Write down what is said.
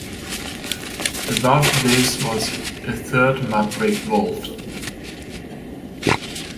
Above this was a third mudbrick vault.